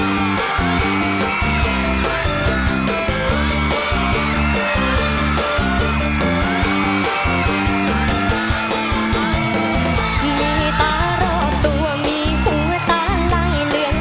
มีตารอบตัวมีหัวใจเหลือง